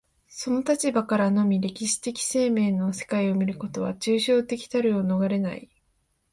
その立場からのみ歴史的生命の世界を見ることは、抽象的たるを免れない。